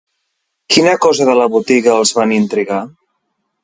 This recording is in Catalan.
Quina cosa de la botiga els van intrigar?